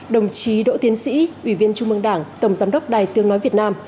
đồng chí đỗ tiến sĩ ủy viên trung mương đảng tổng giám đốc đài tiếng nói việt nam